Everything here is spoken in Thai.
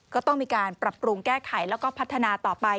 ก็ต้องมีการปรับปรุงแก้ไขแล้วก็พัฒนาต่อไป